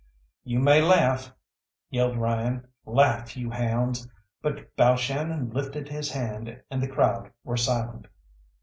"You may laugh!" yelled Ryan; "laugh, you hounds!" but Balshannon lifted his hand, and the crowd were silent.